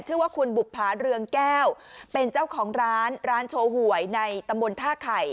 ชื่อว่าคุณบุภาเรืองแก้วเป็นเจ้าของร้านร้านโชว์หวยในตำบลท่าไข่